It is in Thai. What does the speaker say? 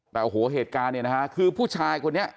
แต่โอ้โหเหตุการณ์เนี่ยนะฮะคือผู้ชายคนนี้